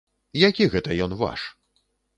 Які гэта ён ваш?